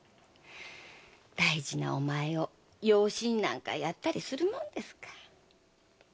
大事なお前を養子になんかやったりするもんですか。